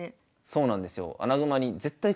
そうなんですよ。